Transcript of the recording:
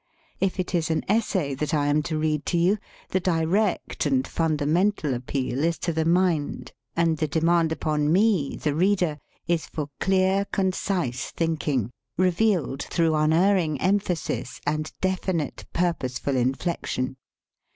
If it is an essay that I am to read to you, the direct and fun damental appeal is to the mind; and the demand upon me, the reader, is for clear, concise thinking, revealed through unerring emphasis and definite, purposeful inflection.